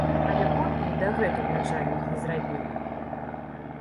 Але копію дагэтуль начальнік не зрабіў.